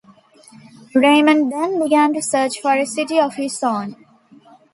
Raymond then began to search for a city of his own.